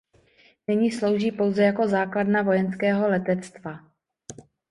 Nyní slouží pouze jako základna vojenského letectva.